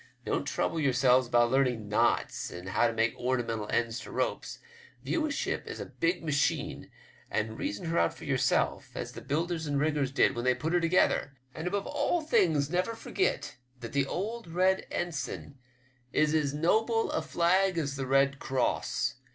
Don't trouble yourselves about learning knots and how to make ornamental ends to ropes. Yiew a ship as a big machine, and reason her out for yourself, as the builders and riggers did when they put her together, and above all things never forget that the old red ensign is as noble 186 WEEVIVS LECTURE. a flag as the red cross.